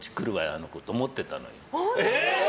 あの子って思ってたのよ。